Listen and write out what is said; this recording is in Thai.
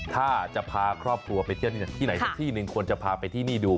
ถ้าจะพาครอบครัวไปเที่ยวที่ไหนสักที่หนึ่งควรจะพาไปที่นี่ดู